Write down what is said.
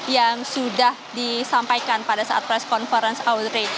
yang sudah disampaikan pada saat press conference audrey